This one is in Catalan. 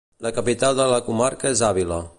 La capital de la comarca és Àvila.